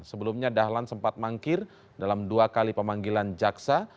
sebelumnya dahlan sempat mangkir dalam dua kali pemanggilan jaksa